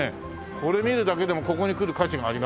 これ見るだけでもここに来る価値がありますね。